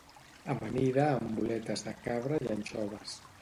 Amanida amb boletes de cabra i anxoves